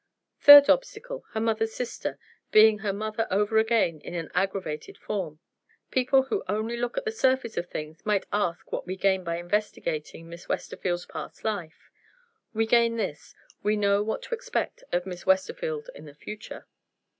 Third obstacle, her mother's sister being her mother over again in an aggravated form. People who only look at the surface of things might ask what we gain by investigating Miss Westerfield's past life. We gain this: we know what to expect of Miss Westerfield in the future."